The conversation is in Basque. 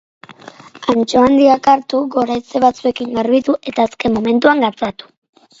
Antxoa handiak hartu, goraize batzuekin garbitu, eta azken momentuan gatzatu.